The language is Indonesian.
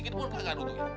kita pun kagak ada untungnya